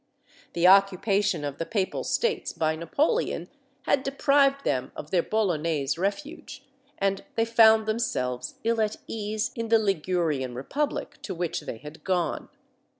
The occupation of the papal states by Napoleon had deprived them of their Bolognese refuge, and they found themselves ill at ease in the Ligurian Republic to which they had gone.